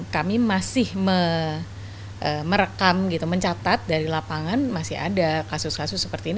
kami masih merekam gitu mencatat dari lapangan masih ada kasus kasus seperti ini